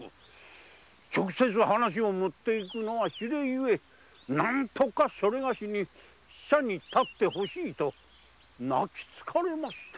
直接話をもっていくのは非礼ゆえ何とかそれがしに使者に立って欲しいと泣きつかれましてな。